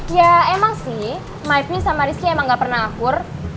ya emang sih mifmi sama rizky emang gak pernah akur